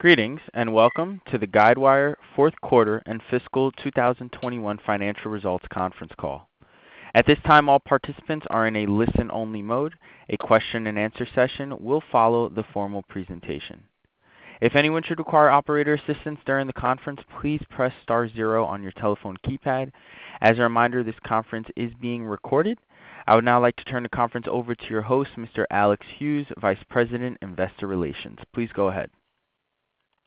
Greetings, and welcome to the Guidewire fourth quarter and fiscal 2021 financial results conference call. At this time, all participants are in a listen-only mode. A question and answer session will follow the formal presentation. If anyone should require operator assistance during the conference, please press star zero on your telephone keypad. As a reminder, this conference is being recorded. I would now like to turn the conference over to your host, Mr. Alex Hughes, Vice President, Investor Relations. Please go ahead.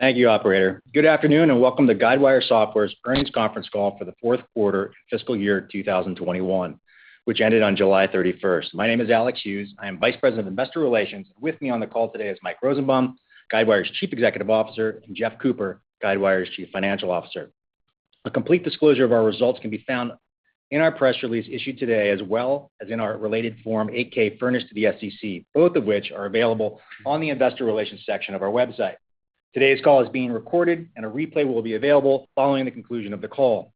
Thank you, operator. Good afternoon, and welcome to Guidewire Software's earnings conference call for the fourth quarter fiscal year 2021, which ended on July 31st. My name is Alex Hughes. I am Vice President, Investor Relations. With me on the call today is Mike Rosenbaum, Guidewire's Chief Executive Officer, and Jeff Cooper, Guidewire's Chief Financial Officer. A complete disclosure of our results can be found in our press release issued today, as well as in our related Form 8-K furnished to the SEC, both of which are available on the investor relations section of our website. Today's call is being recorded, and a replay will be available following the conclusion of the call.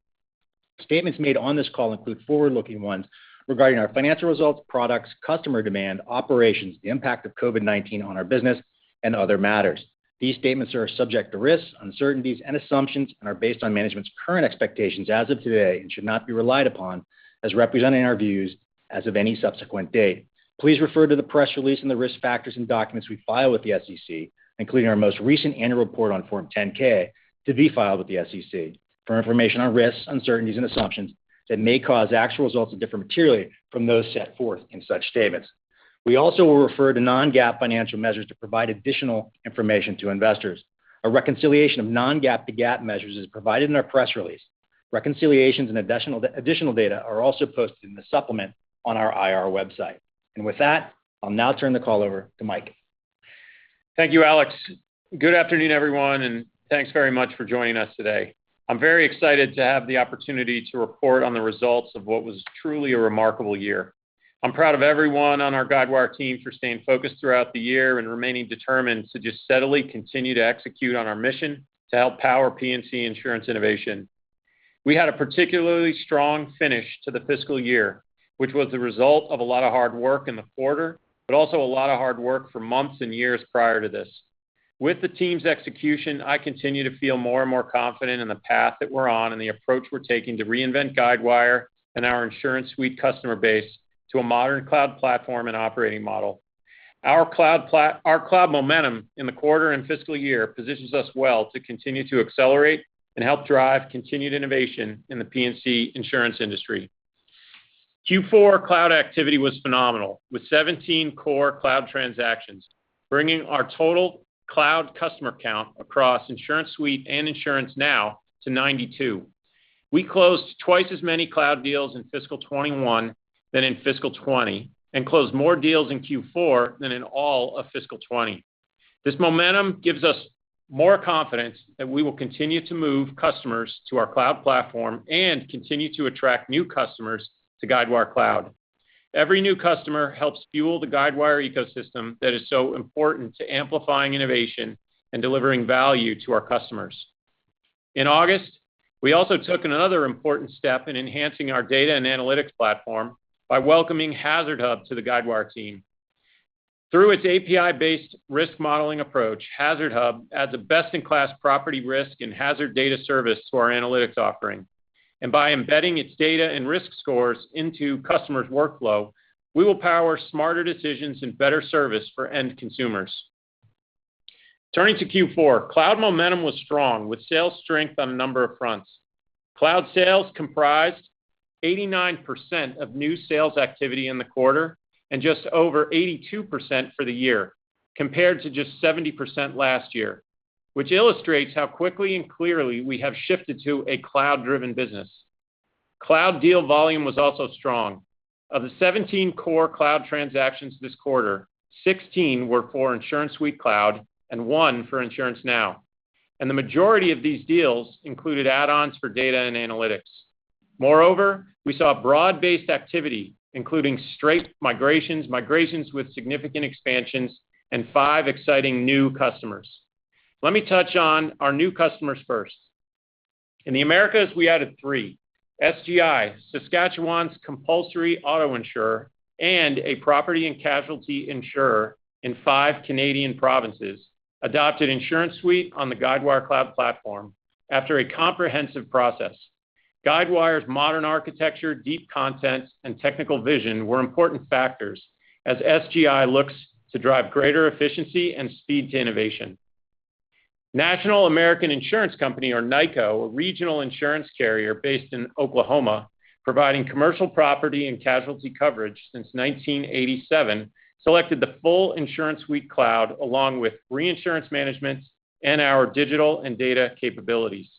Statements made on this call include forward-looking ones regarding our financial results, products, customer demand, operations, the impact of COVID-19 on our business, and other matters. These statements are subject to risks, uncertainties, and assumptions and are based on management's current expectations as of today and should not be relied upon as representing our views as of any subsequent date. Please refer to the press release and the risk factors and documents we file with the SEC, including our most recent annual report on Form 10-K to be filed with the SEC, for information on risks, uncertainties, and assumptions that may cause actual results to differ materially from those set forth in such statements. We also will refer to non-GAAP financial measures to provide additional information to investors. A reconciliation of non-GAAP to GAAP measures is provided in our press release. Reconciliations and additional data are also posted in the supplement on our IR website. With that, I'll now turn the call over to Mike. Thank you, Alex. Good afternoon, everyone, and thanks very much for joining us today. I'm very excited to have the opportunity to report on the results of what was truly a remarkable year. I'm proud of everyone on our Guidewire team for staying focused throughout the year and remaining determined to just steadily continue to execute on our mission to help power P&C insurance innovation. We had a particularly strong finish to the fiscal year, which was the result of a lot of hard work in the quarter, but also a lot of hard work for months and years prior to this. With the team's execution, I continue to feel more and more confident in the path that we're on and the approach we're taking to reinvent Guidewire and our InsuranceSuite customer base to a modern cloud platform and operating model. Our cloud momentum in the quarter and fiscal year positions us well to continue to accelerate and help drive continued innovation in the P&C insurance industry. Q4 cloud activity was phenomenal, with 17 core cloud transactions, bringing our total cloud customer count across InsuranceSuite and InsuranceNow to 92. We closed twice as many cloud deals in fiscal 2021 than in fiscal 2020 and closed more deals in Q4 than in all of fiscal 2020. This momentum gives us more confidence that we will continue to move customers to our cloud platform and continue to attract new customers to Guidewire Cloud. Every new customer helps fuel the Guidewire ecosystem that is so important to amplifying innovation and delivering value to our customers. In August, we also took another important step in enhancing our data and analytics platform by welcoming HazardHub to the Guidewire team. Through its API-based risk modeling approach, HazardHub adds a best-in-class property risk and hazard data service to our analytics offering. By embedding its data and risk scores into customers' workflow, we will power smarter decisions and better service for end consumers. Turning to Q4, cloud momentum was strong with sales strength on a number of fronts. Cloud sales comprised 89% of new sales activity in the quarter and just over 82% for the year, compared to just 70% last year, which illustrates how quickly and clearly we have shifted to a cloud-driven business. Cloud deal volume was also strong. Of the 17 core cloud transactions this quarter, 16 were for InsuranceSuite Cloud and one for InsuranceNow. The majority of these deals included add-ons for data and analytics. Moreover, we saw broad-based activity, including straight migrations with significant expansions, and five exciting new customers. Let me touch on our new customers first. In the Americas, we added three. SGI, Saskatchewan's compulsory auto insurer, and a property and casualty insurer in five Canadian provinces, adopted InsuranceSuite on the Guidewire Cloud Platform after a comprehensive process. Guidewire's modern architecture, deep content, and technical vision were important factors as SGI looks to drive greater efficiency and speed to innovation. National American Insurance Company, or NAICO, a regional insurance carrier based in Oklahoma providing commercial property and casualty coverage since 1987, selected the full InsuranceSuite Cloud along with reinsurance management and our digital and data capabilities.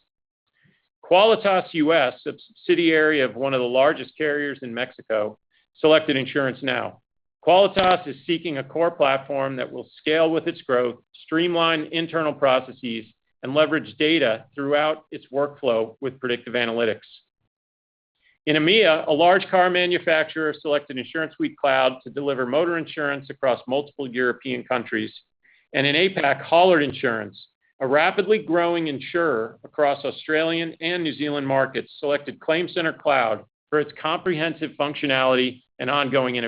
Qualitas US, a subsidiary of one of the largest carriers in Mexico, selected InsuranceNow. Qualitas is seeking a core platform that will scale with its growth, streamline internal processes, and leverage data throughout its workflow with predictive analytics. In EMEA, a large car manufacturer selected InsuranceSuite Cloud to deliver motor insurance across multiple European countries. In APAC, Hollard Insurance, a rapidly growing insurer across Australian and New Zealand markets, selected ClaimCenter Cloud for its comprehensive functionality and ongoing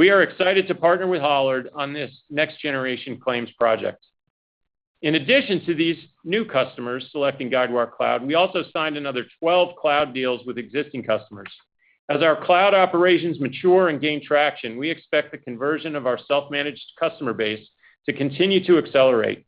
innovation. We are excited to partner with Hollard on this next-generation claims project. In addition to these new customers selecting Guidewire Cloud, we also signed another 12 Cloud deals with existing customers. As our Cloud operations mature and gain traction, we expect the conversion of our self-managed customer base to continue to accelerate.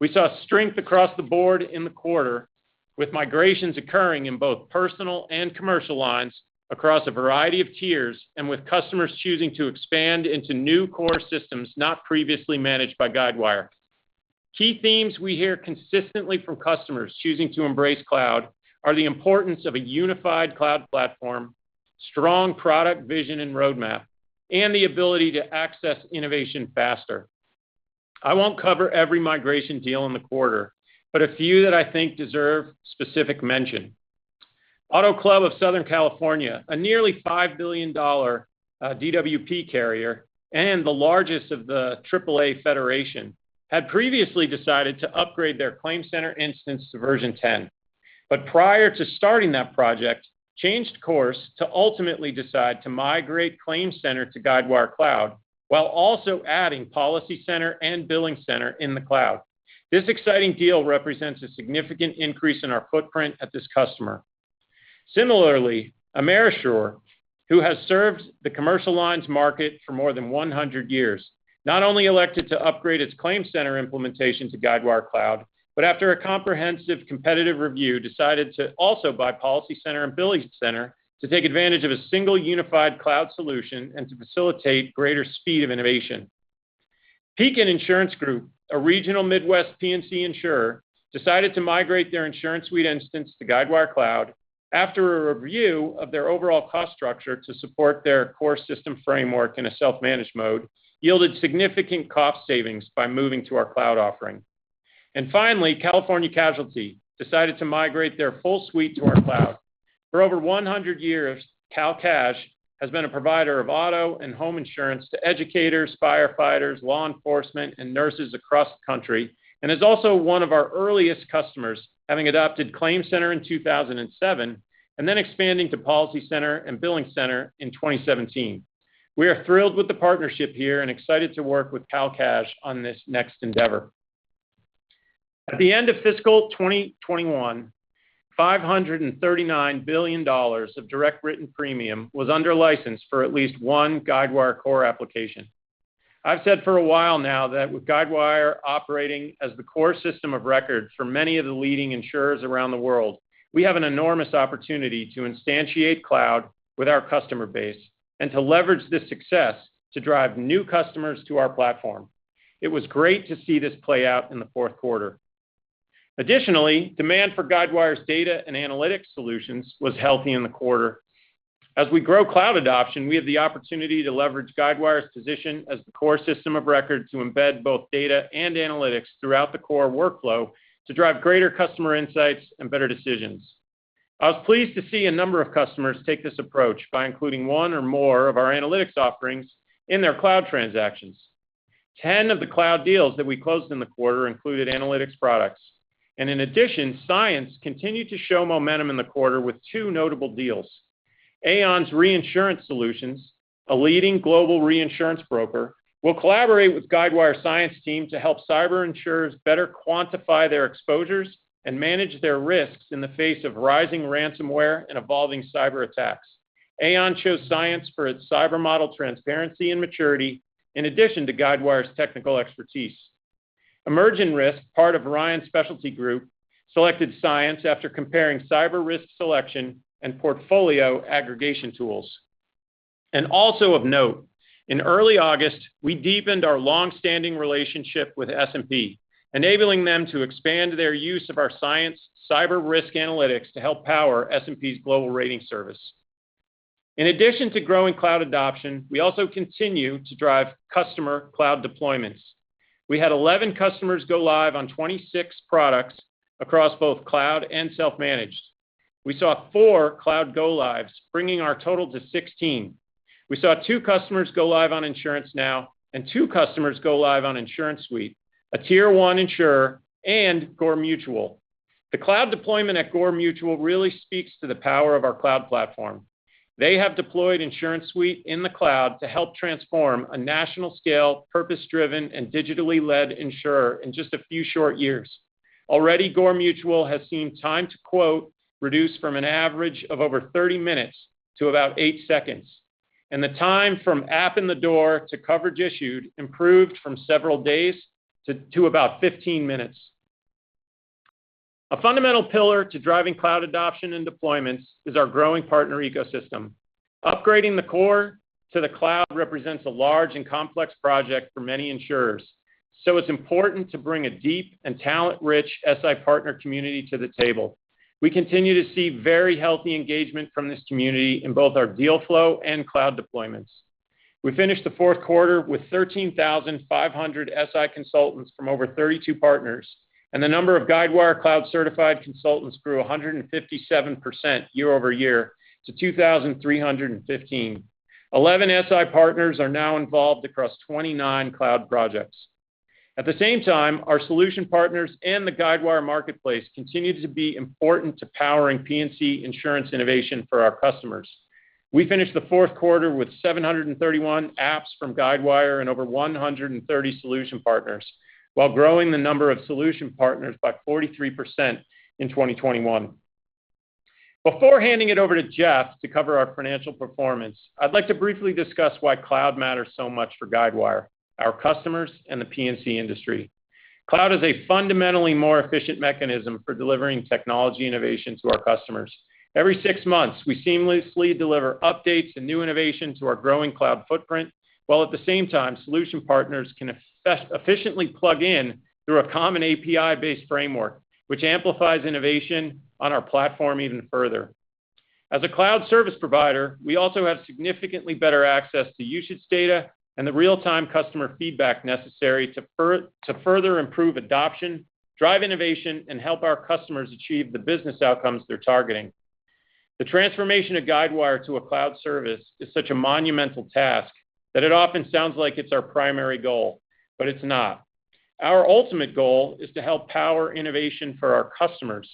We saw strength across the board in the quarter, with migrations occurring in both personal and commercial lines across a variety of tiers, and with customers choosing to expand into new core systems not previously managed by Guidewire. Key themes we hear consistently from customers choosing to embrace cloud are the importance of a unified cloud platform, strong product vision and roadmap, and the ability to access innovation faster. I won't cover every migration deal in the quarter, but a few that I think deserve specific mention. Auto Club of Southern California, a nearly $5 billion DWP carrier and the largest of the AAA Federation, had previously decided to upgrade their ClaimCenter instance to version 10. Prior to starting that project, changed course to ultimately decide to migrate ClaimCenter to Guidewire Cloud, while also adding PolicyCenter and BillingCenter in the cloud. This exciting deal represents a significant increase in our footprint at this customer. Similarly, Amerisure, who has served the commercial lines market for more than 100 years, not only elected to upgrade its ClaimCenter implementation to Guidewire Cloud, but after a comprehensive competitive review, decided to also buy PolicyCenter and BillingCenter to take advantage of a single unified cloud solution and to facilitate greater speed of innovation. Pekin Insurance Group, a regional Midwest P&C insurer, decided to migrate their InsuranceSuite instance to Guidewire Cloud after a review of their overall cost structure to support their core system framework in a self-managed mode yielded significant cost savings by moving to our cloud offering. Finally, California Casualty decided to migrate their full suite to our cloud. For over 100 years, CalCas has been a provider of auto and home insurance to educators, firefighters, law enforcement, and nurses across the country, and is also one of our earliest customers, having adopted ClaimCenter in 2007 and then expanding to PolicyCenter and BillingCenter in 2017. We are thrilled with the partnership here and excited to work with CalCas on this next endeavor. At the end of fiscal 2021, $539 billion of direct written premium was under license for at least one Guidewire core application. I've said for a while now that with Guidewire operating as the core system of record for many of the leading insurers around the world, we have an enormous opportunity to instantiate cloud with our customer base and to leverage this success to drive new customers to our platform. It was great to see this play out in the fourth quarter. Additionally, demand for Guidewire's data and analytics solutions was healthy in the quarter. As we grow cloud adoption, we have the opportunity to leverage Guidewire's position as the core system of record to embed both data and analytics throughout the core workflow to drive greater customer insights and better decisions. I was pleased to see a number of customers take this approach by including one or more of our analytics offerings in their cloud transactions. 10 of the cloud deals that we closed in the quarter included analytics products. In addition, Cyence continued to show momentum in the quarter with two notable deals. Aon's Reinsurance Solutions, a leading global reinsurance broker, will collaborate with Guidewire's Cyence team to help cyber insurers better quantify their exposures and manage their risks in the face of rising ransomware and evolving cyber attacks. Aon chose Cyence for its cyber model transparency and maturity, in addition to Guidewire's technical expertise. EmergIn Risk, part of Ryan Specialty Group, selected Cyence after comparing cyber risk selection and portfolio aggregation tools. Also of note, in early August, we deepened our long-standing relationship with S&P, enabling them to expand their use of our Cyence cyber risk analytics to help power S&P's global rating service. In addition to growing cloud adoption, we also continue to drive customer cloud deployments. We had 11 customers go live on 26 products across both cloud and self-managed. We saw four cloud go-lives, bringing our total to 16. We saw two customers go live on InsuranceNow and two customers go live on InsuranceSuite, a Tier-1 insurer and Gore Mutual. The cloud deployment at Gore Mutual really speaks to the power of our cloud platform. They have deployed InsuranceSuite in the cloud to help transform a national-scale, purpose-driven, and digitally led insurer in just a few short years. Already, Gore Mutual has seen time to quote reduce from an average of over 30 minutes to about eight seconds, and the time from app in the door to coverage issued improved from several days to about 15 minutes. A fundamental pillar to driving cloud adoption and deployments is our growing partner ecosystem. Upgrading the core to the cloud represents a large and complex project for many insurers, so it's important to bring a deep and talent-rich SI partner community to the table. We continue to see very healthy engagement from this community in both our deal flow and cloud deployments. We finished the fourth quarter with 13,500 SI consultants from over 32 partners, and the number of Guidewire Cloud Certified Consultants grew 157% year-over-year to 2,315. 11 SI partners are now involved across 29 cloud projects. At the same time, our solution partners and the Guidewire Marketplace continue to be important to powering P&C insurance innovation for our customers. We finished the fourth quarter with 731 apps from Guidewire and over 130 solution partners, while growing the number of solution partners by 43% in 2021. Before handing it over to Jeff to cover our financial performance, I'd like to briefly discuss why Cloud matters so much for Guidewire, our customers, and the P&C industry. Cloud is a fundamentally more efficient mechanism for delivering technology innovation to our customers. Every six months, we seamlessly deliver updates and new innovations to our growing cloud footprint, while at the same time, solution partners can efficiently plug in through a common API-based framework, which amplifies innovation on our platform even further. As a cloud service provider, we also have significantly better access to usage data and the real-time customer feedback necessary to further improve adoption, drive innovation, and help our customers achieve the business outcomes they're targeting. The transformation of Guidewire to a cloud service is such a monumental task that it often sounds like it's our primary goal, but it's not. Our ultimate goal is to help power innovation for our customers,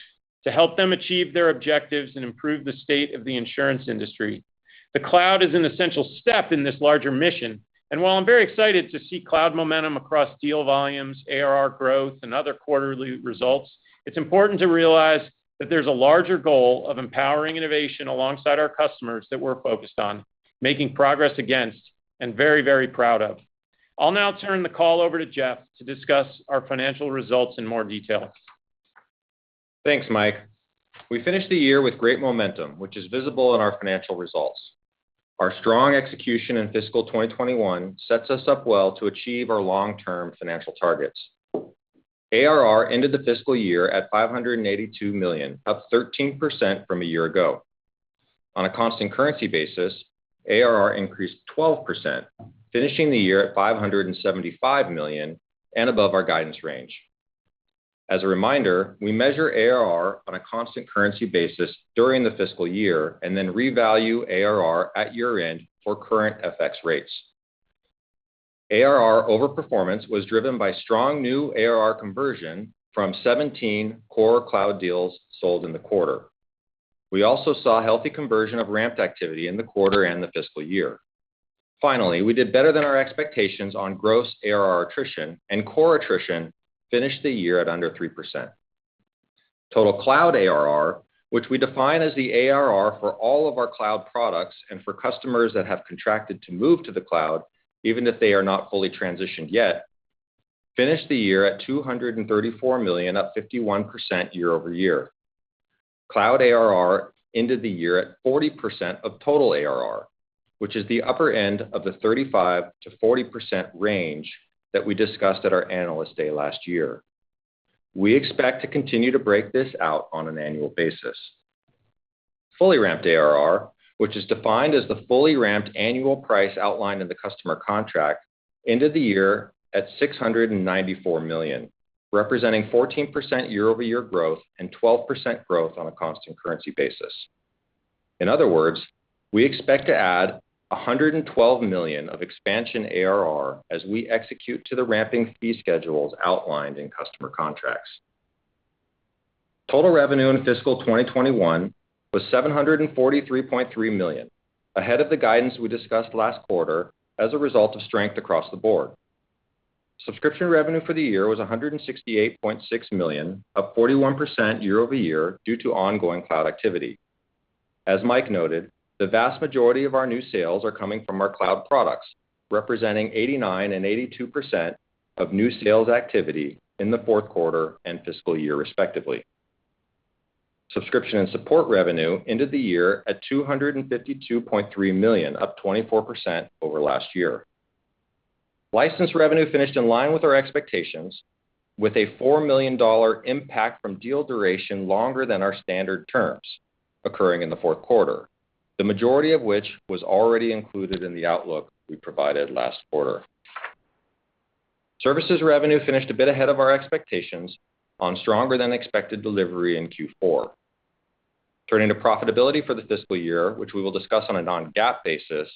to help them achieve their objectives and improve the state of the insurance industry. The cloud is an essential step in this larger mission, and while I'm very excited to see cloud momentum across deal volumes, ARR growth, and other quarterly results, it's important to realize that there's a larger goal of empowering innovation alongside our customers that we're focused on, making progress against, and very, very proud of. I'll now turn the call over to Jeff to discuss our financial results in more detail. Thanks, Mike. We finished the year with great momentum, which is visible in our financial results. Our strong execution in fiscal 2021 sets us up well to achieve our long-term financial targets. ARR ended the fiscal year at $582 million, up 13% from a year ago. On a constant currency basis, ARR increased 12%, finishing the year at $575 million and above our guidance range. As a reminder, we measure ARR on a constant currency basis during the fiscal year, and then revalue ARR at year-end for current FX rates. ARR over performance was driven by strong new ARR conversion from 17 core cloud deals sold in the quarter. We also saw healthy conversion of ramped activity in the quarter and the fiscal year. Finally, we did better than our expectations on gross ARR attrition, and core attrition finished the year at under 3%. Total Cloud ARR, which we define as the ARR for all of our cloud products and for customers that have contracted to move to the cloud, even if they are not fully transitioned yet, finished the year at $234 million, up 51% year-over-year. Cloud ARR ended the year at 40% of total ARR, which is the upper end of the 35%-40% range that we discussed at our Analyst Day last year. We expect to continue to break this out on an annual basis. Fully ramped ARR, which is defined as the fully ramped annual price outlined in the customer contract, ended the year at $694 million, representing 14% year-over-year growth and 12% growth on a constant currency basis. In other words, we expect to add $112 million of expansion ARR as we execute to the ramping fee schedules outlined in customer contracts. Total revenue in fiscal 2021 was $743.3 million, ahead of the guidance we discussed last quarter as a result of strength across the board. Subscription revenue for the year was $168.6 million, up 41% year-over-year due to ongoing cloud activity. As Mike noted, the vast majority of our new sales are coming from our cloud products, representing 89% and 82% of new sales activity in the fourth quarter and fiscal year respectively. Subscription and support revenue ended the year at $252.3 million, up 24% over last year. License revenue finished in line with our expectations, with a $4 million impact from deal duration longer than our standard terms occurring in the fourth quarter, the majority of which was already included in the outlook we provided last quarter. Services revenue finished a bit ahead of our expectations on stronger-than-expected delivery in Q4. Turning to profitability for the fiscal year, which we will discuss on a non-GAAP basis,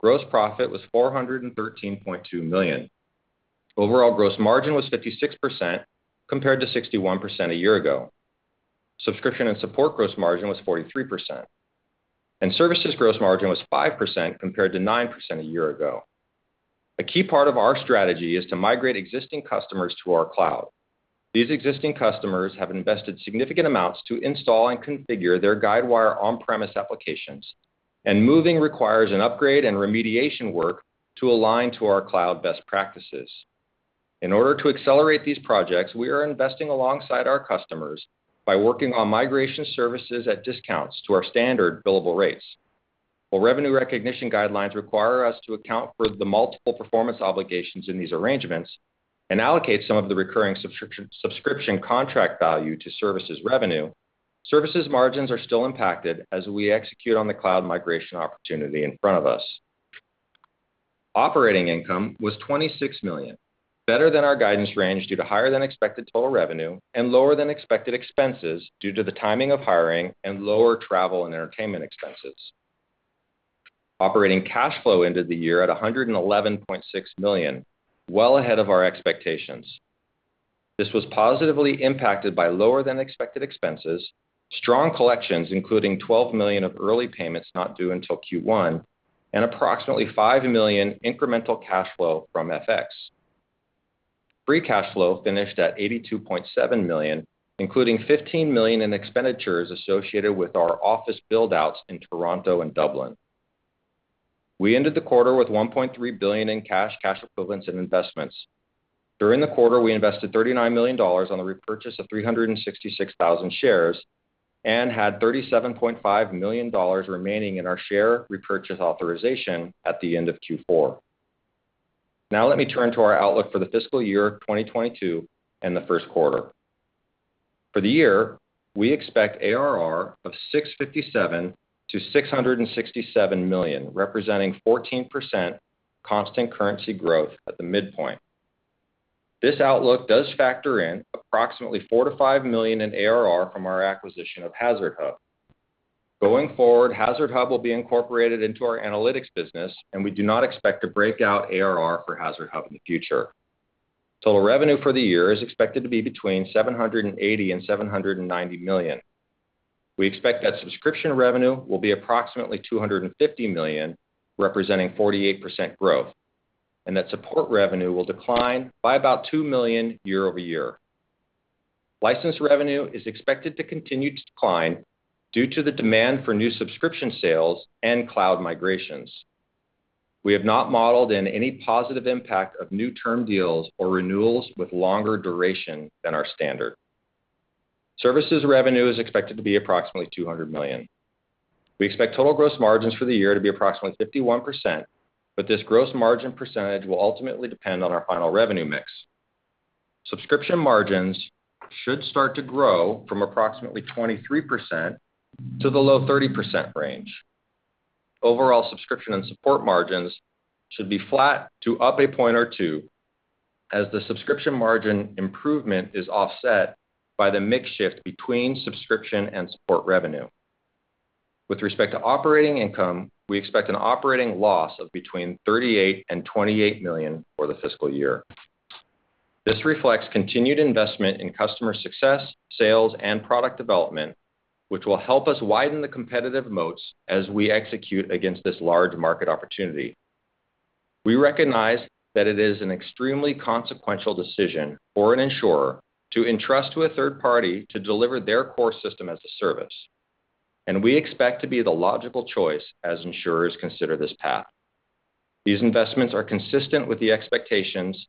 gross profit was $413.2 million. Overall gross margin was 56% compared to 61% a year ago. Subscription and support gross margin was 43%, and services gross margin was 5% compared to 9% a year ago. A key part of our strategy is to migrate existing customers to our cloud. These existing customers have invested significant amounts to install and configure their Guidewire on-premise applications, and moving requires an upgrade and remediation work to align to our cloud best practices. In order to accelerate these projects, we are investing alongside our customers by working on migration services at discounts to our standard billable rates. While revenue recognition guidelines require us to account for the multiple performance obligations in these arrangements and allocate some of the recurring subscription contract value to services revenue, services margins are still impacted as we execute on the cloud migration opportunity in front of us. Operating income was $26 million, better than our guidance range due to higher-than-expected total revenue and lower-than-expected expenses due to the timing of hiring and lower travel and entertainment expenses. Operating cash flow ended the year at $111.6 million, well ahead of our expectations. This was positively impacted by lower-than-expected expenses, strong collections, including $12 million of early payments not due until Q1, and approximately $5 million incremental cash flow from FX. Free cash flow finished at $82.7 million, including $15 million in expenditures associated with our office build-outs in Toronto and Dublin. We ended the quarter with $1.3 billion in cash equivalents, and investments. During the quarter, we invested $39 million on the repurchase of 366,000 shares and had $37.5 million remaining in our share repurchase authorization at the end of Q4. Let me turn to our outlook for the fiscal year 2022 and the first quarter. For the year, we expect ARR of $657 million-$667 million, representing 14% constant currency growth at the midpoint. This outlook does factor in approximately $4 million-$5 million in ARR from our acquisition of HazardHub. Going forward, HazardHub will be incorporated into our analytics business, and we do not expect to break out ARR for HazardHub in the future. Total revenue for the year is expected to be between $780 million and $790 million. We expect that subscription revenue will be approximately $250 million, representing 48% growth, and that support revenue will decline by about $2 million year-over-year. License revenue is expected to continue to decline due to the demand for new subscription sales and cloud migrations. We have not modeled in any positive impact of new term deals or renewals with longer duration than our standard. Services revenue is expected to be approximately $200 million. We expect total gross margins for the year to be approximately 51%, but this gross margin percentage will ultimately depend on our final revenue mix. Subscription margins should start to grow from approximately 23% to the low 30% range. Overall subscription and support margins should be flat to up a point or two as the subscription margin improvement is offset by the mix shift between subscription and support revenue. With respect to operating income, we expect an operating loss of between $38 million and $28 million for the fiscal year. This reflects continued investment in customer success, sales, and product development, which will help us widen the competitive moats as we execute against this large market opportunity. We recognize that it is an extremely consequential decision for an insurer to entrust to a third party to deliver their core system as a service, and we expect to be the logical choice as insurers consider this path. These investments are consistent with the expectations,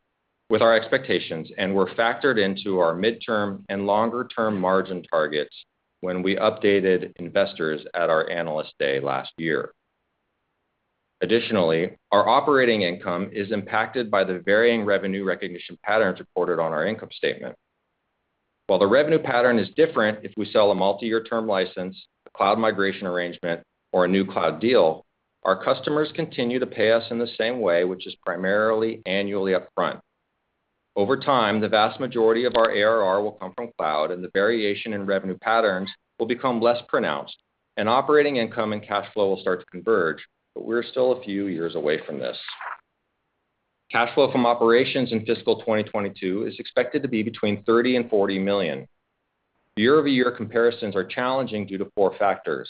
with our expectations and were factored into our midterm and longer-term margin targets when we updated investors at our Analyst Day last year. Additionally, our operating income is impacted by the varying revenue recognition patterns reported on our income statement. While the revenue pattern is different if we sell a multi-year term license, a cloud migration arrangement, or a new cloud deal, our customers continue to pay us in the same way, which is primarily annually upfront. Over time, the vast majority of our ARR will come from cloud, and the variation in revenue patterns will become less pronounced, and operating income and cash flow will start to converge, but we're still a few years away from this. Cash flow from operations in fiscal 2022 is expected to be between $30 million and $40 million. Year-over-year comparisons are challenging due to four factors.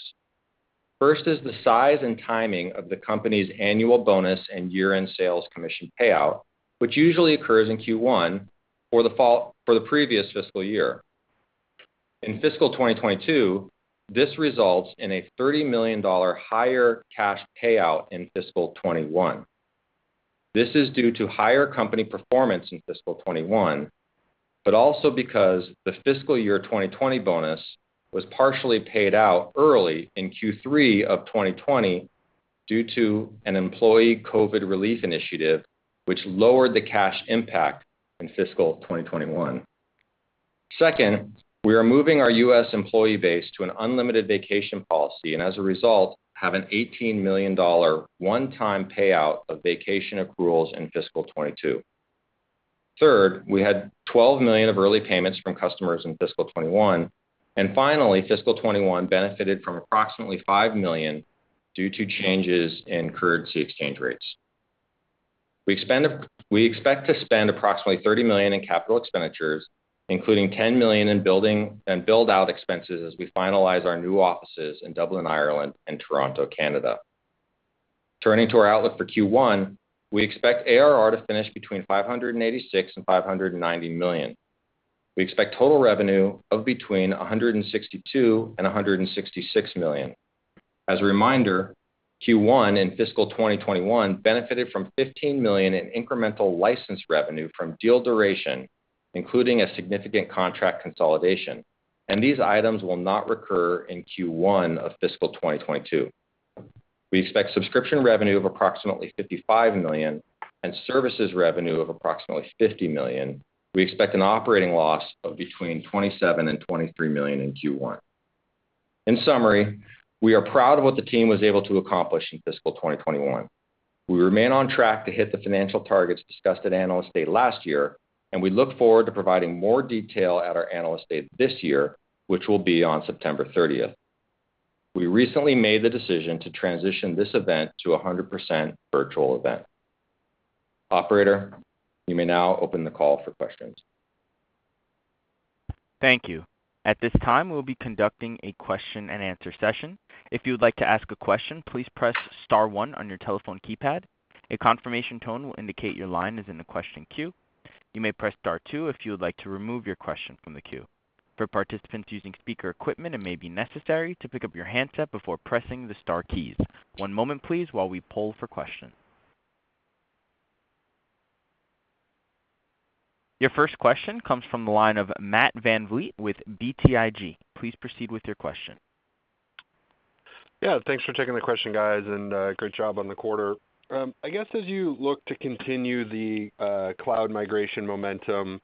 First is the size and timing of the company's annual bonus and year-end sales commission payout, which usually occurs in Q1 for the previous fiscal year. In fiscal 2022, this results in a $30 million higher cash payout in fiscal 2021. This is due to higher company performance in fiscal 2021, but also because the fiscal year 2020 bonus was partially paid out early in Q3 of 2020 due to an employee COVID relief initiative, which lowered the cash impact in fiscal 2021. Second, we are moving our U.S. employee base to an unlimited vacation policy and, as a result, have an $18 million one-time payout of vacation accruals in fiscal 2022. Third, we had $12 million of early payments from customers in fiscal 2021. Finally, fiscal 2021 benefited from approximately $5 million due to changes in currency exchange rates. We expect to spend approximately $30 million in capital expenditures, including $10 million in building, in build-out expenses as we finalize our new offices in Dublin, Ireland, and Toronto, Canada. Turning to our outlook for Q1, we expect ARR to finish between $586 million and $590 million. We expect total revenue of between $162 million and $166 million. As a reminder, Q1 in fiscal 2021 benefited from $15 million in incremental license revenue from deal duration, including a significant contract consolidation, and these items will not recur in Q1 of fiscal 2022. We expect subscription revenue of approximately $55 million and services revenue of approximately $50 million. We expect an operating loss of between $27 million and $23 million in Q1. In summary, we are proud of what the team was able to accomplish in fiscal 2021. We remain on track to hit the financial targets discussed at Analyst Day last year, and we look forward to providing more detail at our Analyst Day this year, which will be on September 30th. We recently made the decision to transition this event to a 100% virtual event. Operator, you may now open the call for questions. Thank you. At this time, we'll be conducting a question and answer session. If you would like to ask a question, please press star one on your telephone keypad. A confirmation tone will indicate your line is in the question queue. You may press star two if you would like to remove your question from the queue. For participants using speaker equipment, it may be necessary to pick up your handset before pressing the star keys. One moment please, while we poll for questions. Your first question comes from the line of Matt VanVliet with BTIG. Please proceed with your question. Yeah. Thanks for taking the question, guys, and good job on the quarter. I guess as you look to continue the cloud migration momentum,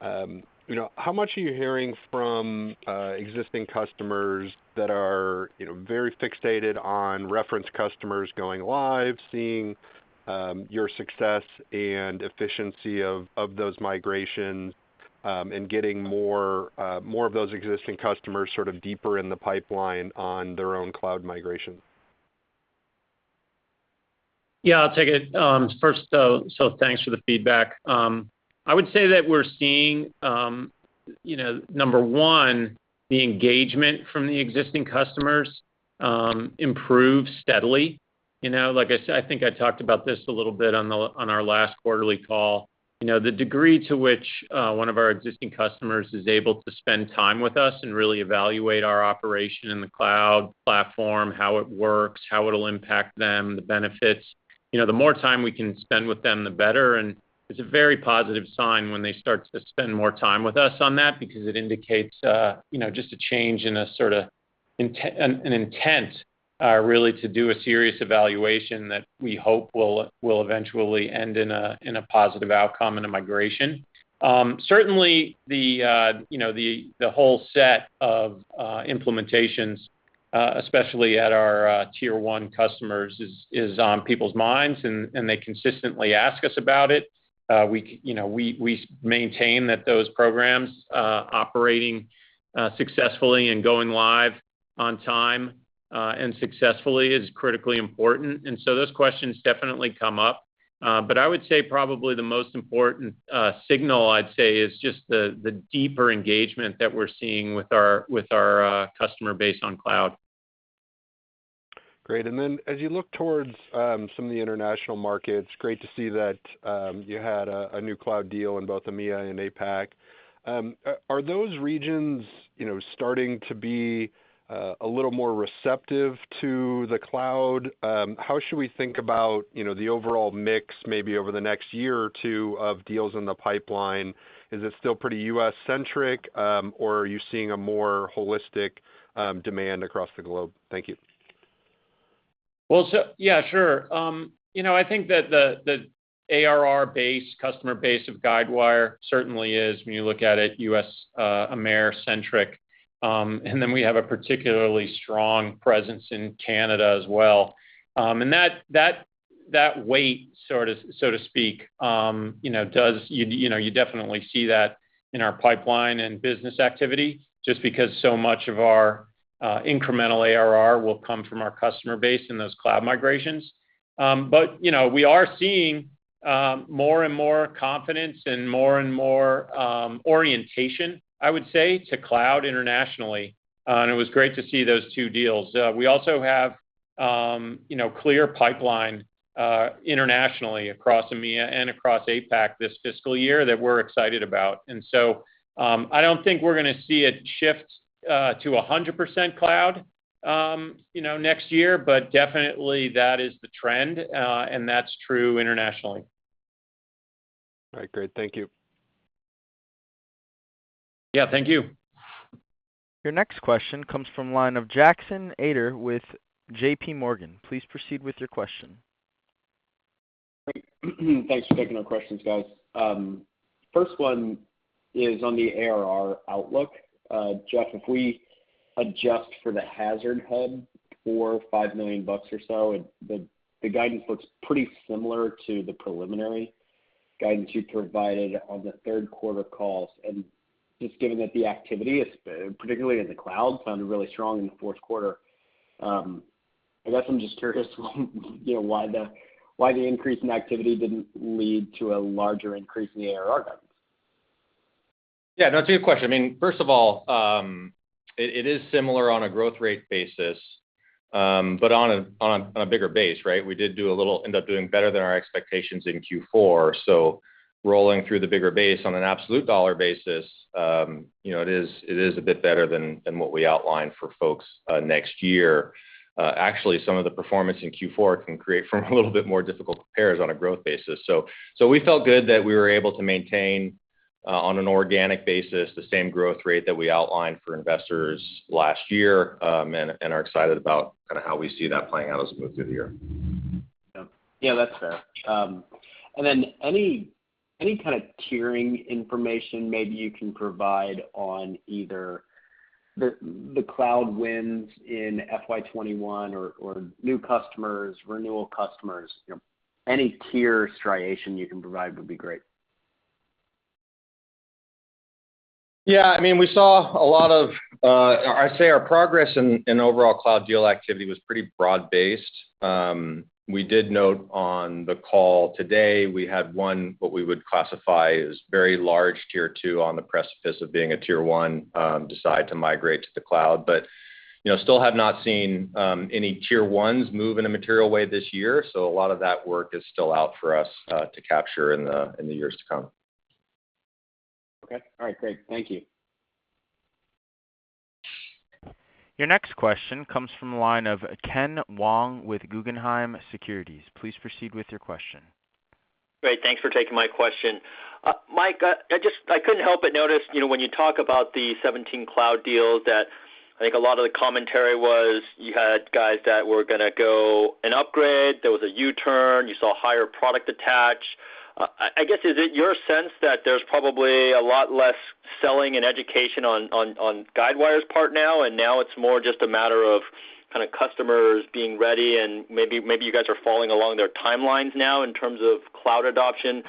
how much are you hearing from existing customers that are very fixated on reference customers going live, seeing your success and efficiency of those migrations and getting more of those existing customers sort of deeper in the pipeline on their own cloud migration? Yeah, I'll take it. First though, thanks for the feedback. I would say that we're seeing, number one, the engagement from the existing customers improve steadily. I think I talked about this a little bit on our last quarterly call, the degree to which one of our existing customers is able to spend time with us and really evaluate our operation in the Cloud Platform, how it works, how it'll impact them, the benefits. The more time we can spend with them, the better, and it's a very positive sign when they start to spend more time with us on that because it indicates just a change in a sort of an intent, really, to do a serious evaluation that we hope will eventually end in a positive outcome and a migration. Certainly, the whole set of implementations, especially at our Tier 1 customers, is on people's minds, and they consistently ask us about it. We maintain that those programs operating successfully and going live on time and successfully is critically important. This questions definitely come up, I would say probably the most important signal, I'd say, is just the deeper engagement that we're seeing with our customer base on cloud. Great. Then as you look towards some of the international markets, great to see that you had a new cloud deal in both EMEA and APAC. Are those regions starting to be a little more receptive to the cloud? How should we think about the overall mix, maybe over the next year or two, of deals in the pipeline? Is it still pretty U.S.-centric, or are you seeing a more holistic demand across the globe? Thank you. Yeah, sure. I think that the ARR base, customer base of Guidewire certainly is, when you look at it, U.S. Amer-centric. We have a particularly strong presence in Canada as well. That weight, so to speak, you definitely see that in our pipeline and business activity just because so much of our incremental ARR will come from our customer base in those cloud migrations. We are seeing more and more confidence and more and more orientation, I would say, to cloud internationally. It was great to see those two deals. We also have clear pipeline internationally across EMEA and across APAC this fiscal year that we're excited about. I don't think we're going to see it shift to 100% cloud next year, but definitely that is the trend, and that's true internationally. All right, great. Thank you. Yeah, thank you. Your next question comes from line of Jackson Ader with JPMorgan. Please proceed with your question. Great. Thanks for taking our questions, guys. First one is on the ARR outlook. Jeff, if we adjust for the HazardHub $4 million-$5 million bucks or so, the guidance looks pretty similar to the preliminary guidance you provided on the third quarter calls. Just given that the activity, particularly in the cloud, sounded really strong in the fourth quarter, I guess I'm just curious why the increase in activity didn't lead to a larger increase in the ARR guidance? Yeah. That's a good question. First of all, it is similar on a growth rate basis, but on a bigger base, right? We did a little, end up doing better than our expectations in Q4. Rolling through the bigger base on an absolute dollar basis, it is a bit better than what we outlined for folks next year. Actually, some of the performance in Q4 can create for a little bit more difficult compares on a growth basis. We felt good that we were able to maintain on an organic basis the same growth rate that we outlined for investors last year, and are excited about on how we see that playing out as we move through the year. Yeah, that's fair. Any kind of tiering information maybe you can provide on either the Cloud wins in FY 2021 or new customers, renewal customers, any tier stratification you can provide would be great. Yeah. I mean we saw a lot of, I say our progress in overall cloud deal activity was pretty broad-based. We did note on the call today, we had one, what we would classify as very large Tier 2 on the precipice of being a Tier 1, decide to migrate to the cloud. Still have not seen any Tier 1s move in a material way this year. A lot of that work is still out for us to capture in the years to come. Okay. All right, great. Thank you. Your next question comes from the line of Ken Wong with Guggenheim Securities. Please proceed with your question. Great. Thanks for taking my question. Mike, I couldn't help but notice, when you talk about the 17 cloud deals, that I think a lot of the commentary was you had guys that were going to go and upgrade, there was a U-turn, you saw higher product attach. I guess, is it your sense that there's probably a lot less selling and education on Guidewire's part now, and now it's more just a matter of kind of customers being ready and maybe you guys are following along their timelines now in terms of cloud adoption?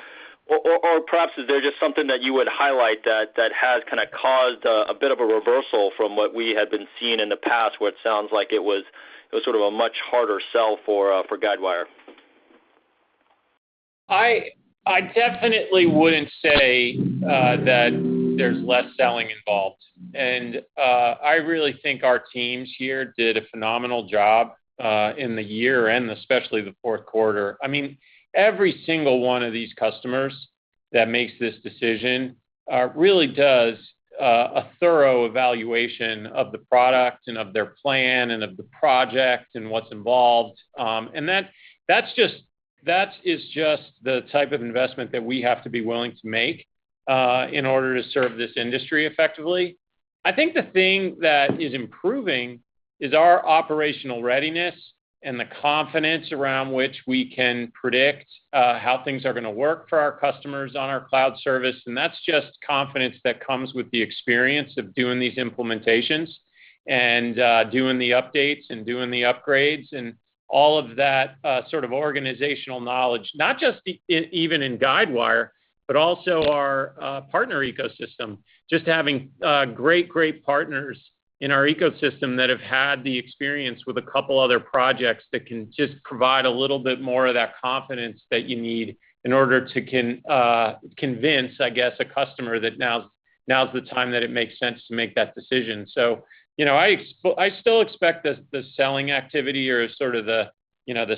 Or perhaps is there just something that you would highlight that has kind of caused a bit of a reversal from what we had been seeing in the past, where it sounds like it was sort of a much harder sell for Guidewire? I definitely wouldn't say that there's less selling involved. I really think our teams here did a phenomenal job in the year-end, especially the fourth quarter. I mean, every single one of these customers that makes this decision really does a thorough evaluation of the product, and of their plan, and of the project and what's involved. That is just the type of investment that we have to be willing to make in order to serve this industry effectively. I think the thing that is improving is our operational readiness and the confidence around which we can predict how things are going to work for our customers on our cloud service, and that's just confidence that comes with the experience of doing these implementations and doing the updates and doing the upgrades and all of that sort of organizational knowledge, not just even in Guidewire, but also our partner ecosystem. Just having great partners in our ecosystem that have had the experience with a couple of other projects that can just provide a little bit more of that confidence that you need in order to convince, I guess a customer that now's the time that it makes sense to make that decision. I still expect the selling activity or sort of the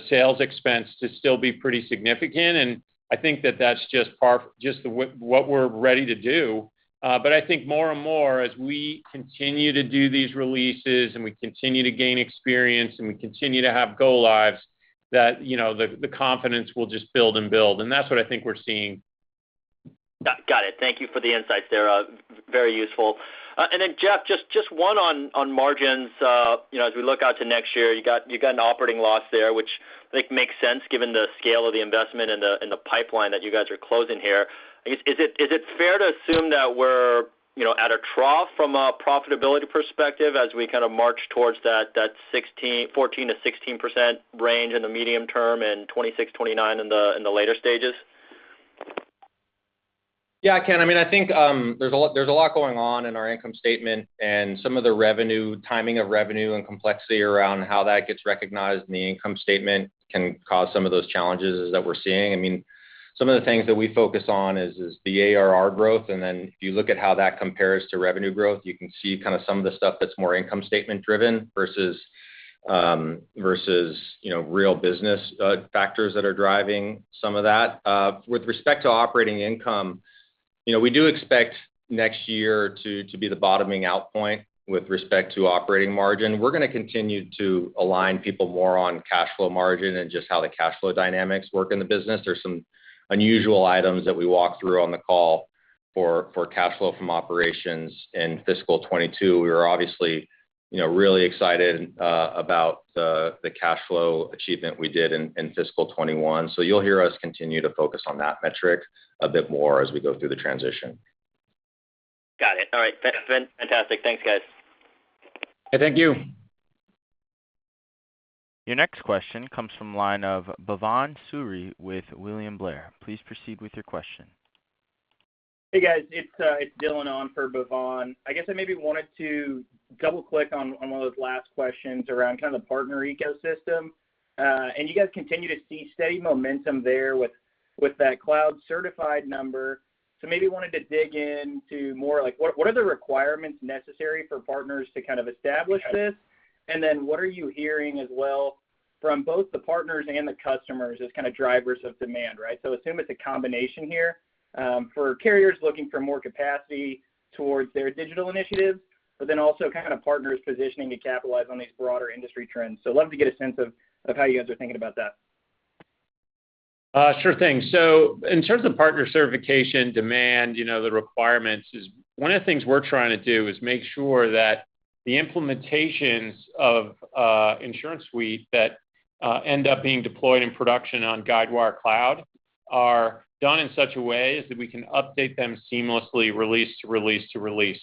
sales expense to still be pretty significant, and I think that that's just what we're ready to do. I think more and more as we continue to do these releases and we continue to gain experience and we continue to have go lives, that the confidence will just build and build, and that's what I think we're seeing. Got it. Thank you for the insights there. Very useful. Then Jeff, just one on margins. As we look out to next year, you've got an operating loss there, which I think makes sense given the scale of the investment and the pipeline that you guys are closing here. Is it fair to assume that we're at a trough from a profitability perspective as we kind of march towards that 14%-16% range in the medium term and 26%-29% in the later stages? Yeah, Ken. I think there's a lot going on in our income statement and some of the timing of revenue and complexity around how that gets recognized in the income statement can cause some of those challenges that we're seeing. Some of the things that we focus on is the ARR growth, and then if you look at how that compares to revenue growth, you can see kind of some of the stuff that's more income statement driven versus real business factors that are driving some of that. With respect to operating income, we do expect next year to be the bottoming out point with respect to operating margin. We're going to continue to align people more on cash flow margin and just how the cash flow dynamics work in the business. There's some unusual items that we walk through on the call for cash flow from operations in fiscal 2022. We were obviously really excited about the cash flow achievement we did in fiscal 2021. You'll hear us continue to focus on that metric a bit more as we go through the transition. Got it. All right. Fantastic. Thanks, guys. Thank you. Your next question comes from the line of Bhavan Suri with William Blair. Please proceed with your question. Hey, guys. It's Dylan on for Bhavan. I guess I maybe wanted to double-click on one of those last questions around kind of the partner ecosystem. You guys continue to see steady momentum there with that Cloud Certified number. Maybe wanted to dig into more like, what are the requirements necessary for partners to kind of establish this? What are you hearing as well from both the partners and the customers as kind of drivers of demand, right? Assume it's a combination here, for carriers looking for more capacity towards their digital initiatives, but then also kind of partners positioning to capitalize on these broader industry trends. Love to get a sense of how you guys are thinking about that. Sure thing, in terms of partner certification demand, the requirements is one of the things we're trying to do is make sure that the implementations of InsuranceSuite that end up being deployed in production on Guidewire Cloud are done in such a way as that we can update them seamlessly release, release, release.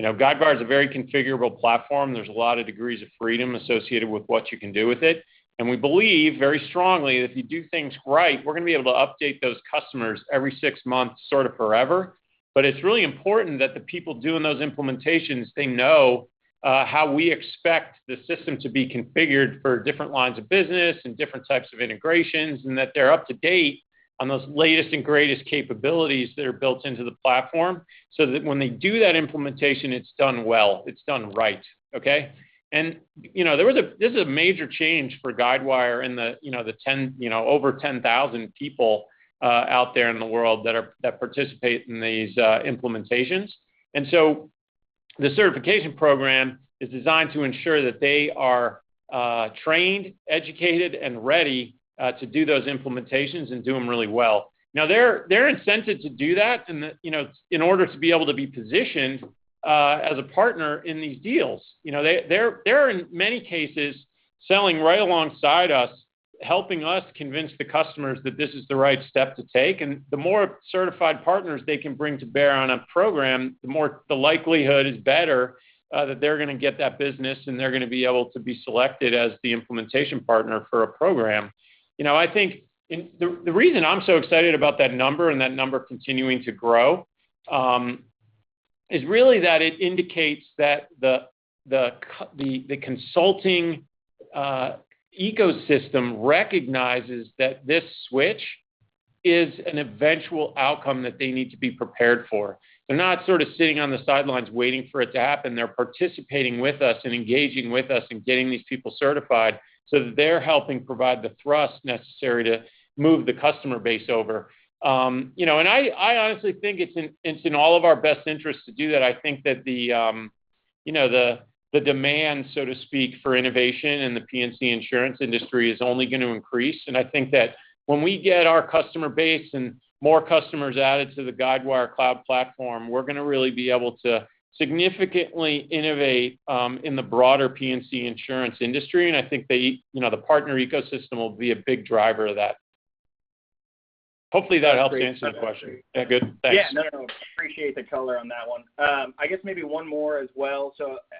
Guidewire is a very configurable platform. There's a lot of degrees of freedom associated with what you can do with it, and we believe very strongly that if you do things right, we're going to be able to update those customers every six months sort of forever. It's really important that the people doing those implementations they know how we expect the system to be configured for different lines of business and different types of integrations, and that they're up to date on those latest and greatest capabilities that are built into the platform, so that when they do that implementation, it's done well, it's done right. Okay. This is a major change for Guidewire in the over 10,000 people out there in the world that participate in these implementations. The certification program is designed to ensure that they are trained, educated, and ready to do those implementations and do them really well. Now, they're incented to do that in order to be able to be positioned as a partner in these deals. They're, in many cases, selling right alongside us, helping us convince the customers that this is the right step to take. The more certified partners they can bring to bear on a program, the more the likelihood is better that they're going to get that business, and they're going to be able to be selected as the implementation partner for a program. I think the reason I'm so excited about that number and that number continuing to grow is really that it indicates that the consulting ecosystem recognizes that this switch is an eventual outcome that they need to be prepared for. They're not sort of sitting on the sidelines waiting for it to happen. They're participating with us and engaging with us and getting these people certified so that they're helping provide the thrust necessary to move the customer base over. I honestly think it's in all of our best interests to do that. I think that the demand, so to speak, for innovation in the P&C insurance industry is only going to increase. I think that when we get our customer base and more customers added to the Guidewire Cloud Platform, we're going to really be able to significantly innovate in the broader P&C insurance industry. I think the partner ecosystem will be a big driver of that. Hopefully, that helped answer the question. That's great. Is that good? Thanks. Yeah, no. Appreciate the color on that one. I guess maybe one more as well.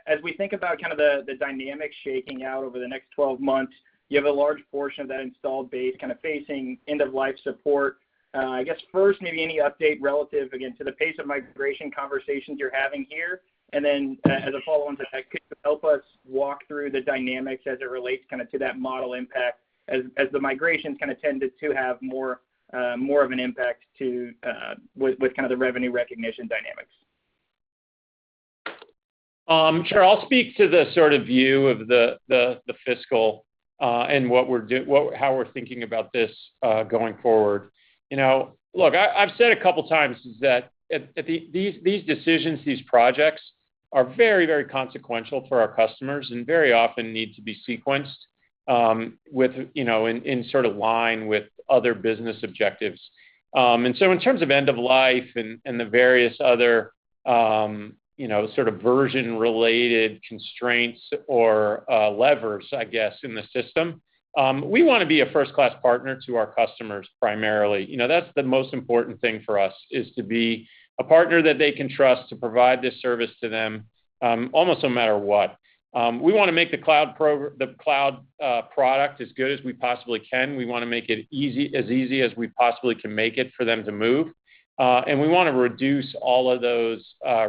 As we think about the dynamics shaking out over the next 12 months, you have a large portion of that installed base kind of facing end-of-life support. I guess first, maybe any update relative, again, to the pace of migration conversations you're having here? Then as a follow-on to that, could you help us walk through the dynamics as it relates to that model impact as the migrations kind of tended to have more of an impact with the revenue recognition dynamics? Sure. I'll speak to the sort of view of the fiscal and how we're thinking about this going forward. I've said a couple of times is that these decisions, these projects, are very consequential for our customers and very often need to be sequenced with in sort of line with other business objectives. In terms of end-of-life and the various other sort of version-related constraints or levers, I guess, in the system, we want to be a first-class partner to our customers, primarily. That's the most important thing for us, is to be a partner that they can trust to provide this service to them almost no matter what. We want to make the Cloud product as good as we possibly can. We want to make it as easy as we possibly can make it for them to move. We want to reduce all of those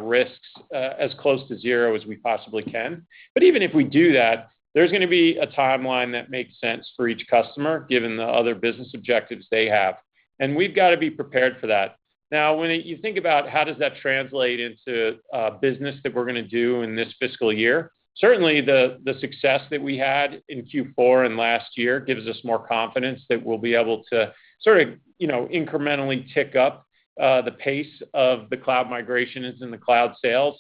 risks as close to zero as we possibly can. Even if we do that, there's going to be a timeline that makes sense for each customer, given the other business objectives they have. We've got to be prepared for that. When you think about how does that translate into business that we're going to do in this fiscal year, certainly the success that we had in Q4 and last year gives us more confidence that we'll be able to sort of incrementally tick up the pace of the cloud migration as in the cloud sales.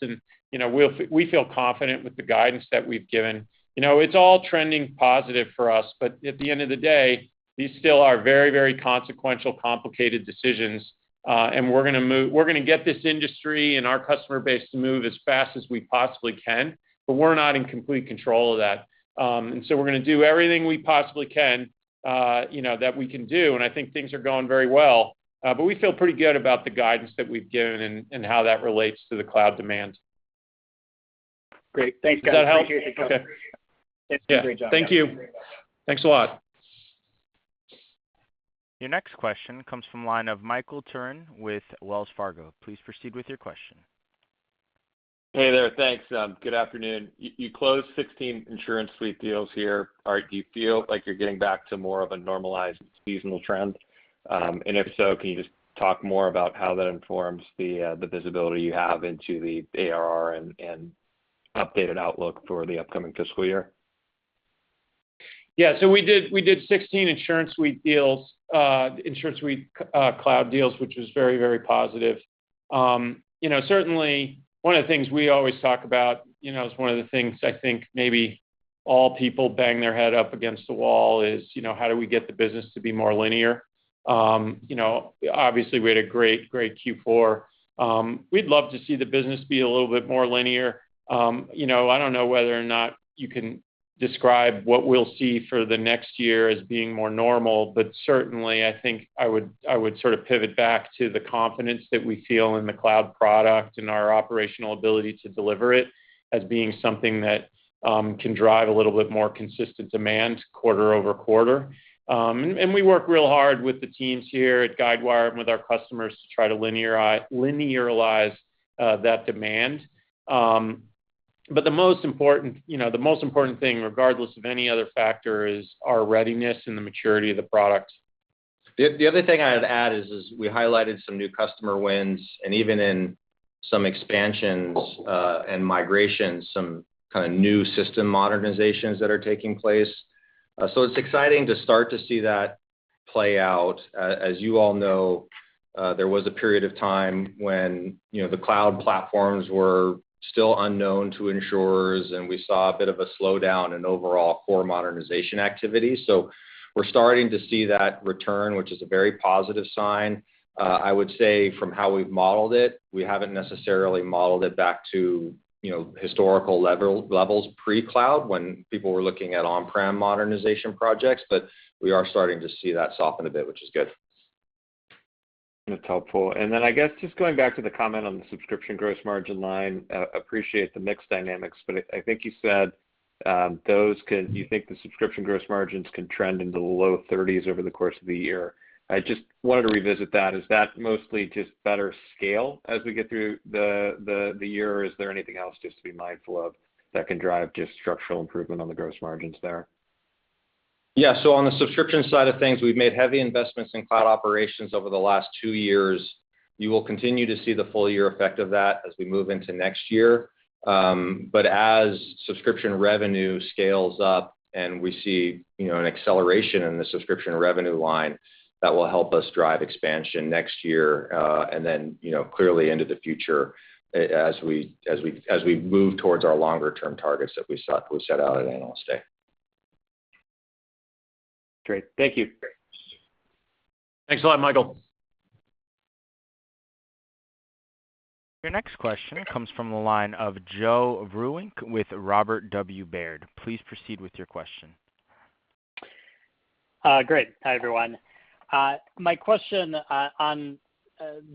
We feel confident with the guidance that we've given. It's all trending positive for us. At the end of the day, these still are very consequential, complicated decisions. We're going to get this industry and our customer base to move as fast as we possibly can, but we're not in complete control of that. We're going to do everything we possibly can that we can do, and I think things are going very well. We feel pretty good about the guidance that we've given and how that relates to the cloud demand. Great. Thanks, guys. Does that help? Okay. Appreciate the color. Yeah. Thanks for the great job. Thank you. Thanks a lot. Your next question comes from the line of Michael Turrin with Wells Fargo. Please proceed with your question. Hey there. Thanks. Good afternoon. You closed 16 InsuranceSuite deals here. Do you feel like you're getting back to more of a normalized seasonal trend? If so, can you just talk more about how that informs the visibility you have into the ARR and updated outlook for the upcoming fiscal year? Yeah. We did 16 InsuranceSuite Cloud deals, which was very very positive. Certainly, one of the things we always talk about is one of the things I think maybe all people bang their head up against the wall is how do we get the business to be more linear? Obviously, we had a great great Q4. We'd love to see the business be a little bit more linear. I don't know whether or not you can describe what we'll see for the next year as being more normal, certainly, I think I would sort of pivot back to the confidence that we feel in the cloud product and our operational ability to deliver it as being something that can drive a little bit more consistent demand quarter-over-quarter. We work real hard with the teams here at Guidewire and with our customers to try to linearize that demand. The most important thing, regardless of any other factor, is our readiness and the maturity of the product. The other thing I'd add is we highlighted some new customer wins, and even in some expansions and migrations, some kind of new system modernizations that are taking place. It's exciting to start to see that play out. As you all know, there was a period of time when the cloud platforms were still unknown to insurers, and we saw a bit of a slowdown in overall core modernization activity. We're starting to see that return, which is a very positive sign. I would say from how we've modeled it, we haven't necessarily modeled it back to historical levels pre-cloud, when people were looking at on-prem modernization projects. We are starting to see that soften a bit, which is good. That's helpful. Then, I guess, just going back to the comment on the subscription gross margin line, appreciate the mix dynamics, but I think you said you think the subscription gross margins can trend into the low 30s over the course of the year. I just wanted to revisit that. Is that mostly just better scale as we get through the year? Or is there anything else just to be mindful of that can drive just structural improvement on the gross margins there? Yeah. On the subscription side of things, we've made heavy investments in cloud operations over the last two years. You will continue to see the full year effect of that as we move into next year. As subscription revenue scales up and we see an acceleration in the subscription revenue line, that will help us drive expansion next year. Clearly into the future as we move towards our longer-term targets that we set out at Analyst Day. Great. Thank you. Great. Thanks a lot, Michael. Your next question comes from the line of Joe Vruwink with Robert W. Baird. Please proceed with your question. Great. Hi, everyone. My question on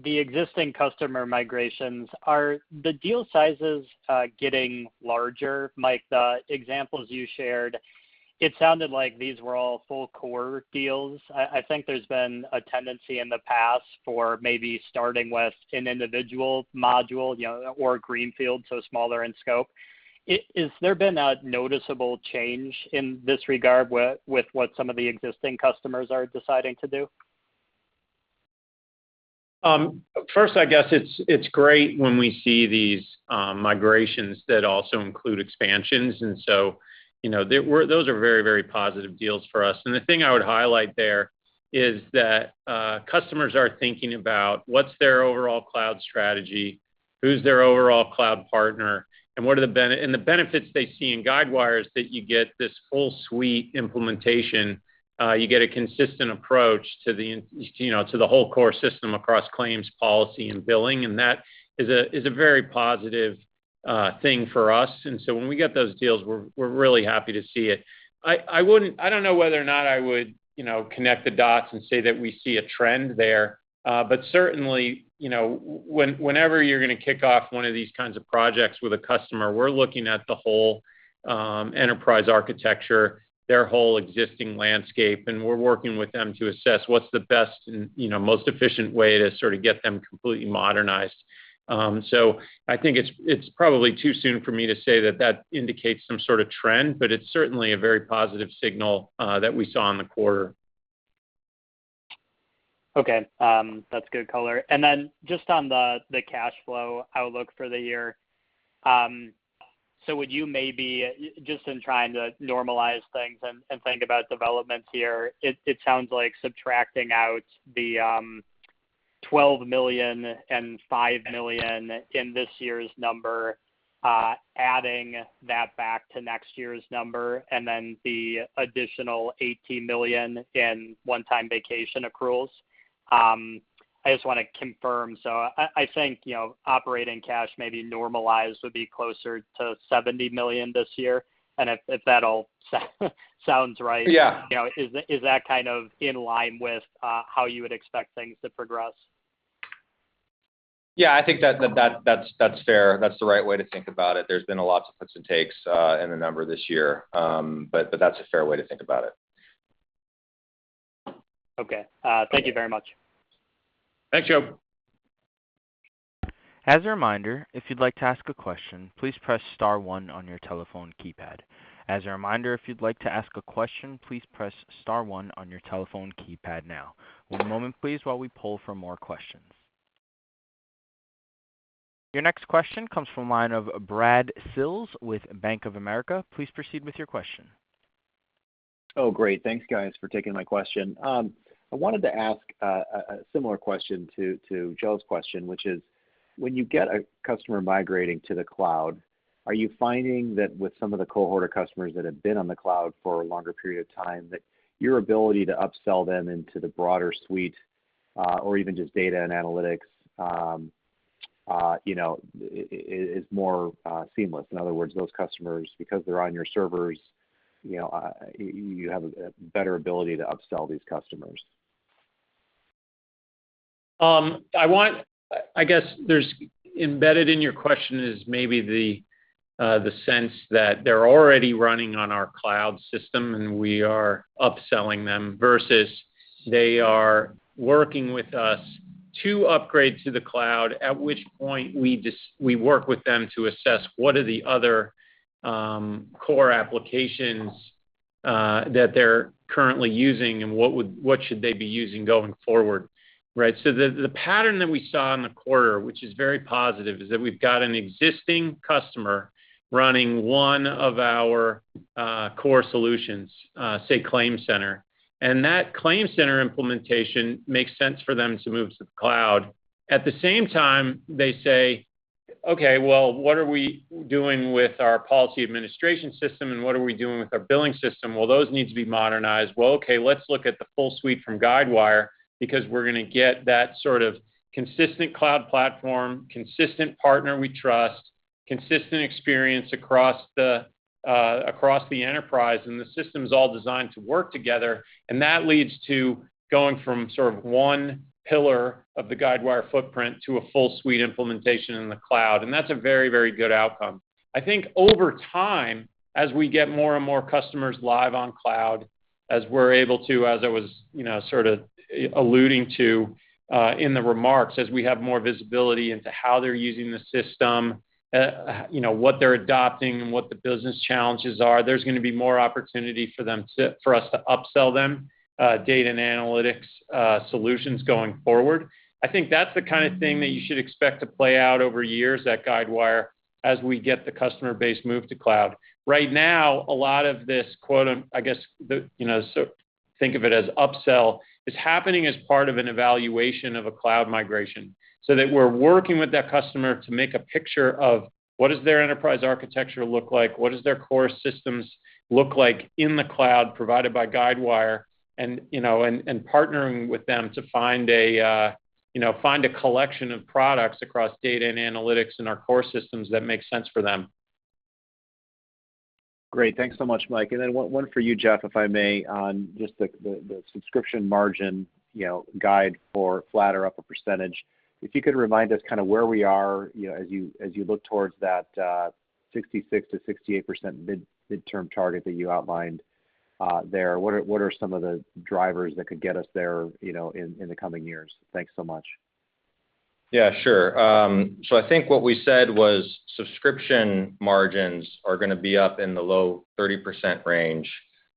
the existing customer migrations, are the deal sizes getting larger? Mike, the examples you shared, it sounded like these were all full core deals. I think there's been a tendency in the past for maybe starting with an individual module or a greenfield, so smaller in scope. Has there been a noticeable change in this regard with what some of the existing customers are deciding to do? First, I guess it's great when we see these migrations that also include expansions. Those are very positive deals for us. The thing I would highlight there is that customers are thinking about what's their overall cloud strategy, who's their overall cloud partner, and the benefits they see in Guidewire is that you get this full suite implementation. You get a consistent approach to the whole core system across claims, policy, and billing. That is a very positive thing for us. When we get those deals, we're really happy to see it. I don't know whether or not I would connect the dots and say that we see a trend there. Certainly, whenever you're going to kick off one of these kinds of projects with a customer, we're looking at the whole enterprise architecture, their whole existing landscape, and we're working with them to assess what's the best and most efficient way to sort of get them completely modernized. I think it's probably too soon for me to say that that indicates some sort of trend, but it's certainly a very positive signal that we saw in the quarter. Okay. That's good color. Then just on the cash flow outlook for the year. Would you maybe just in trying to normalize things and think about developments here, it sounds like subtracting out the $12 million and $5 million in this year's number, adding that back to next year's number, and then the additional $18 million in one-time vacation accruals. I just want to confirm. I think operating cash maybe normalized would be closer to $70 million this year, and if that all sounds right. Yeah. Is that kind of in line with how you would expect things to progress? Yeah, I think that's fair. That's the right way to think about it. There's been a lot of puts and takes in the number this year. That's a fair way to think about it. Okay. Thank you very much. Thanks, Joe. As a reminder, if you would like to ask a question, please press star one on your telephone keypad. As a reminder, if you would like to ask a question, please press star one on your telephone keypad now. One moment please while we pull from our questions. The next question comes from the line of Brad Sills with Bank of America. Please proceed with your question. Oh, great. Thanks, guys, for taking my question. I wanted to ask a similar question to Joe's question, which is: when you get a customer migrating to the cloud, are you finding that with some of the cohort of customers that have been on the cloud for a longer period of time, that your ability to upsell them into the broader suite, or even just data and analytics, is more seamless? In other words, those customers, because they're on your servers, you have a better ability to upsell these customers? I guess, embedded in your question is maybe the sense that they're already running on our cloud system and we are upselling them, versus they are working with us to upgrade to the cloud, at which point we work with them to assess what are the other core applications that they're currently using and what should they be using going forward. Right? The pattern that we saw in the quarter, which is very positive, is that we've got an existing customer running one of our core solutions, say, ClaimCenter, and that ClaimCenter implementation makes sense for them to move to the cloud. At the same time, they say, "Okay, well, what are we doing with our policy administration system, and what are we doing with our billing system?" Those need to be modernized. Well, okay, let's look at the full suite from Guidewire, because we're going to get that sort of consistent cloud platform, consistent partner we trust, consistent experience across the enterprise, and the systems all designed to work together. That leads to going from sort of one pillar of the Guidewire footprint to a full suite implementation in the cloud, and that's a very very good outcome. I think over time, as we get more and more customers live on cloud, as we're able to, as I was sort of alluding to in the remarks, as we have more visibility into how they're using the system, what they're adopting, and what the business challenges are, there's going to be more opportunity for us to upsell them data and analytics solutions going forward. I think that's the kind of thing that you should expect to play out over years at Guidewire as we get the customer base moved to cloud. Right now, a lot of this quote, I guess, think of it as upsell, is happening as part of an evaluation of a cloud migration, so that we're working with that customer to make a picture of what does their enterprise architecture look like, what does their core systems look like in the cloud provided by Guidewire, and partnering with them to find a collection of products across data and analytics in our core systems that makes sense for them. Great. Thanks so much, Mike. Then one for you, Jeff, if I may, on just the subscription margin guide for flat or upper percentage. If you could remind us kind of where we are as you look towards that 66%-68% midterm target that you outlined there. What are some of the drivers that could get us there in the coming years? Thanks so much. Yeah, sure. I think what we said was subscription margins are going to be up in the low 30% range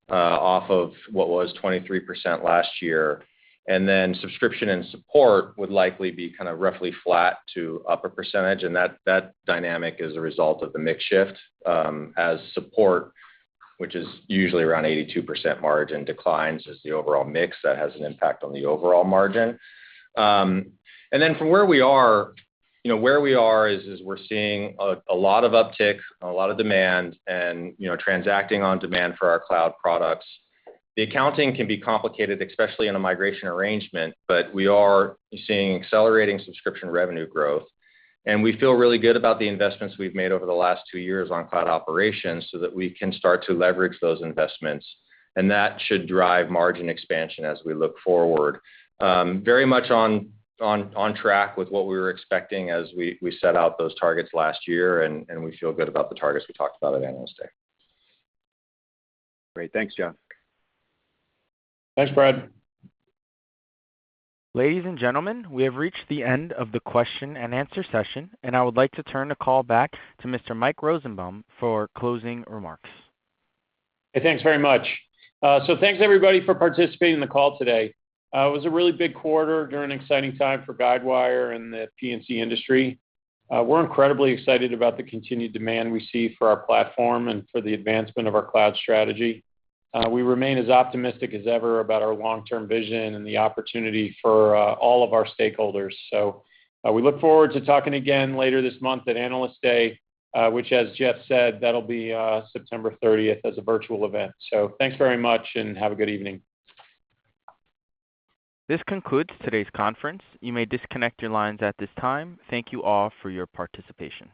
off of what was 23% last year. Subscription and support would likely be kind of roughly flat to upper percentage, and that dynamic is a result of the mix shift as support, which is usually around 82% margin declines as the overall mix that has an impact on the overall margin. From where we are is we're seeing a lot of uptick, a lot of demand and transacting on demand for our cloud products. The accounting can be complicated, especially in a migration arrangement, but we are seeing accelerating subscription revenue growth, and we feel really good about the investments we've made over the last two years on cloud operations so that we can start to leverage those investments. That should drive margin expansion as we look forward. Very much on track with what we were expecting as we set out those targets last year, and we feel good about the targets we talked about at Analyst Day. Great. Thanks, Jeff. Thanks, Brad. Ladies and gentlemen, we have reached the end of the question and answer session, and I would like to turn the call back to Mr. Mike Rosenbaum for closing remarks. Hey, thanks very much. Thanks everybody for participating in the call today. It was a really big quarter during an exciting time for Guidewire and the P&C industry. We're incredibly excited about the continued demand we see for our platform and for the advancement of our cloud strategy. We remain as optimistic as ever about our long-term vision and the opportunity for all of our stakeholders. We look forward to talking again later this month at Analyst Day, which as Jeff said, that'll be September 30th as a virtual event. Thanks very much and have a good evening. This concludes today's conference. You may disconnect your lines at this time. Thank you all for your participation.